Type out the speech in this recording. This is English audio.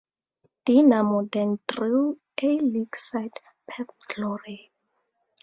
Dinamo then drew A-League side Perth Glory.